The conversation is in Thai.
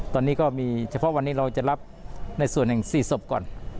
ตอนนี้ก็มีเฉพาะวันนี้เราจะรับในส่วนแห่ง๔ศพก่อน